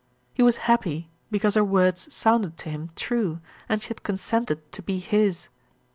He was happy because her words sounded to him true, and she had consented to be his.